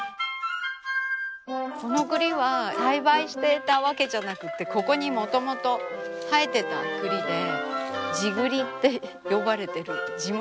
この栗は栽培してたわけじゃなくてここにもともと生えてた栗で「地栗」って呼ばれてる地元の栗。